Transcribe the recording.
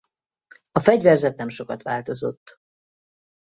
A fegyverzet nem sokat változott.